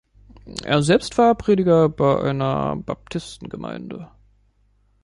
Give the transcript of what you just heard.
Er selbst war Prediger bei einer Baptistengemeinde.